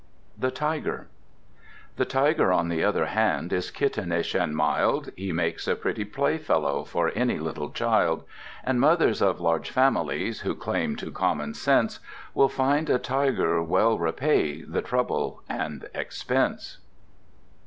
The Tiger The Tiger on the other hand, is kittenish and mild, He makes a pretty playfellow for any little child; And mothers of large families (who claim to common sense) Will find a Tiger well repay the trouble and expense.